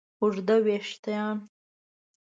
اوږده وېښتیان